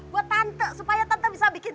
buat tante supaya tante bisa bikin